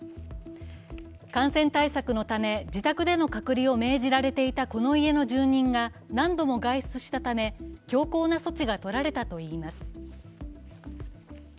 感染対策のため、自宅での隔離を命じられていたこの家の住人が何度も外出したため強硬な措置が取られたといいます。